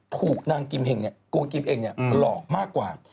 ถูกนางกิมเห็งโกกิมเองหลอกมากกว่า